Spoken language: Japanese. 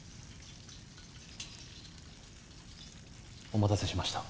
お待たせしました。